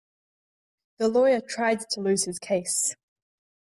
The lawyer tried to lose his case.